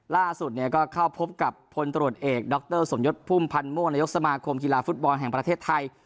ล่าสุดก็เข้าพบกับพลตรวจเอกดรสมยศพุ่มพันธ์ม่วงนายกสมาคมกีฬาฟุตบอลแห่งประเทศไทย